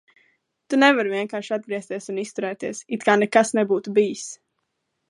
Tu nevari vienkārši atgriezties un izturēties, it kā nekas nebūtu bijis!